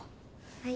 はい。